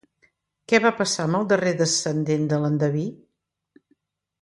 Què va passar amb el darrer descendent de l'endeví?